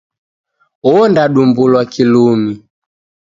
Ondadumbulwa kilumi.